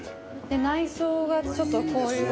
内装がちょっとこういう。